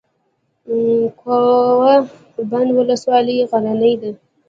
کوه بند ولسوالۍ غرنۍ ده؟